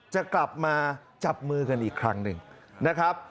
จะกลับมาจับมือกันอีกครั้งหนึ่งนะครับ